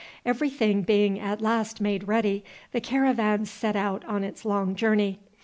Every thing being at last made ready, the caravan set out on its long journey.